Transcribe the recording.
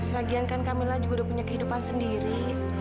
lagian kan camillah juga udah punya kehidupan sendiri